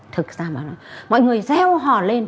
thực ra mà mọi người reo hỏa lên